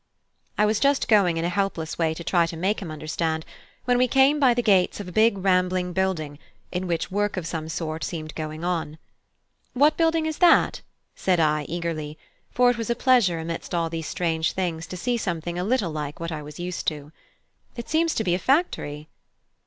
I was just going in a helpless way to try to make him understand, when we came by the gates of a big rambling building, in which work of some sort seemed going on. "What building is that?" said I, eagerly; for it was a pleasure amidst all these strange things to see something a little like what I was used to: "it seems to be a factory."